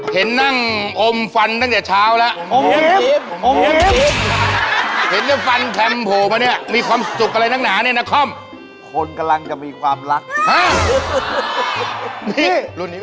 กิจต่อมาแล้วเขาบอกว่าจะมาวันนี้เพราะว่าเขาเขาจะบอกว่านี่คุยเหมือนว่าอยู่สิ